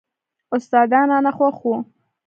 استادان رانه خوښ وو.